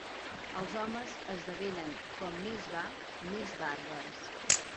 Els homes esdevenen com més va més bàrbars.